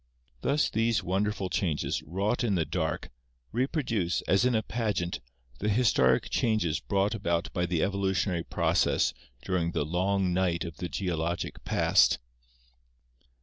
Thus these wonderful changes, wrought in the dark, reproduce, as in a pageant, the historic changes brought about by the evolutionary process during the long night of the geologic past.